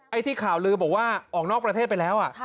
ไอ้ที่ข่าวลืมว่าออกนอกประเทศไปแล้ว